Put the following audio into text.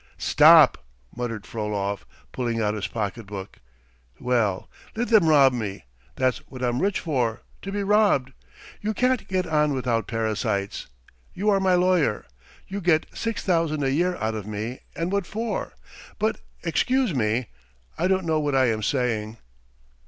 "Stop!" muttered Frolov, pulling out his pocket book. "Well! ... let them rob me. That's what I'm rich for, to be robbed! ... You can't get on without parasites! ... You are my lawyer. You get six thousand a year out of me and what for? But excuse me, ... I don't know what I am saying."